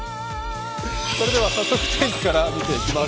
それでは早速天気から見ていきます。